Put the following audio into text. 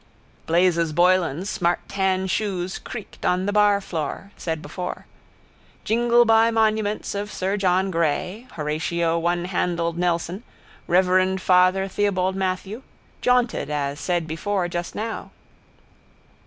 Blazes Boylan's smart tan shoes creaked on the barfloor, said before. Jingle by monuments of sir John Gray, Horatio onehandled Nelson, reverend father Theobald Mathew, jaunted, as said before just now.